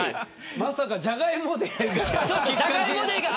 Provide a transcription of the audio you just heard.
まさか、じゃがいもデーが。